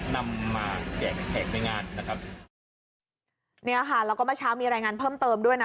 นำมาแจกแขกในงานนะครับเนี่ยค่ะแล้วก็เมื่อเช้ามีรายงานเพิ่มเติมด้วยนะ